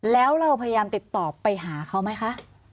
แล้วเราพยายามติดต่อไปหาเขาไหมคะ